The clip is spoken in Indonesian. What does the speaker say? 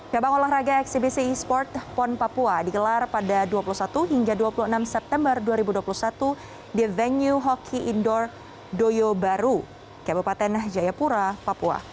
cabang olahraga eksibisi e sport pon papua digelar pada dua puluh satu hingga dua puluh enam september dua ribu dua puluh satu di venue hoki indoor doyobaru kabupaten jayapura papua